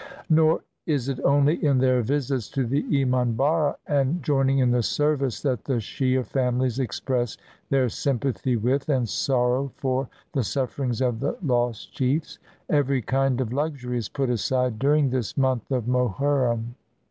Nor is it only in their visits to the emanbarra and joining in the service that the Shiah families express their sympathy with and sorrow for the sufferings of the 204 THE FESTIVAL OF THE MOHURRIM lost chiefs. Every kind of luxury is put aside during this month of Mohurrim.